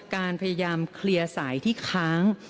การพยายามเคลียร์สายที่ค้าง